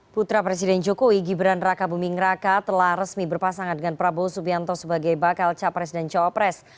putra presiden jokowi gibran raka buming raka telah resmi berpasangan dengan prabowo subianto sebagai bakal capres dan cowopres